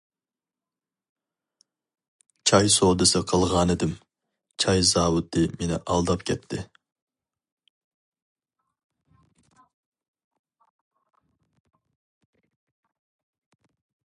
چاي سودىسى قىلغانىدىم، چاي زاۋۇتى مېنى ئالداپ كەتتى.